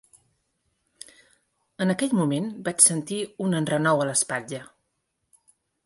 En aquell moment vaig sentir un enrenou a l'espatlla.